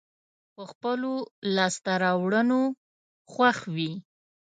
په خپلو لاسته راوړنو خوښ وي.